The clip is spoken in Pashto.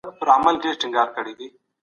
د ټولنيزو علومو راتلونکی روښانه برېښي.